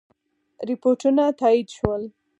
رپوټونه تایید شول.